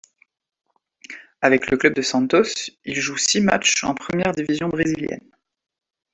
Avec le club de Santos, il joue six matchs en première division brésilienne.